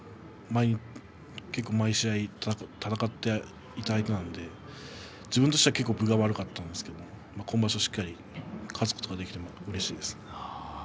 結構、毎試合戦っていただいていた相手なので自分としては結構分が悪かったんですけど今場所はしっかり勝つことができてうれしかったです。